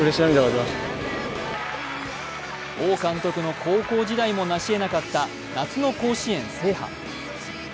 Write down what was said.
王監督の高校時代もなしえなかった夏の甲子園制覇。